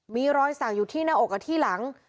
มีร้อยสั่งอยู่ที่หน้าอกแล้วที่หลัง